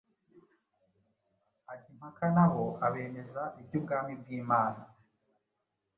ajya impaka na bo, abemeza iby’ubwami bw’Imana.”